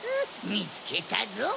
みつけたぞ。